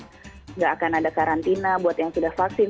tidak akan ada karantina buat yang sudah vaksin